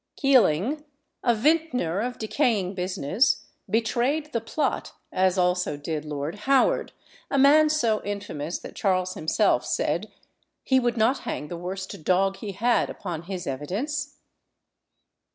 Keeling, a vintner of decaying business, betrayed the plot, as also did Lord Howard, a man so infamous that Charles himself said "he would not hang the worst dog he had upon his evidence."